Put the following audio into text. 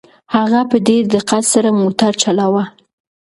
هغه په ډېر دقت سره موټر چلاوه.